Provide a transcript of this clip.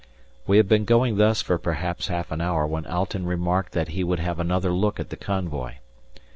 We had been going thus for perhaps half an hour when Alten remarked that he would have another look at the convoy.